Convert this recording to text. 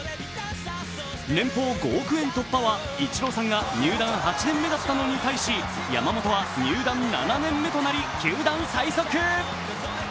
年俸５億円突破はイチローさんが入団８年目だったのに対し、山本は入団７年目となり、球団最速。